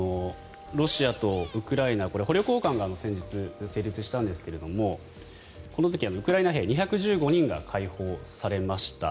ロシアとウクライナ捕虜交換が先日、成立したんですがこの時、ウクライナ兵２１５人が解放されました。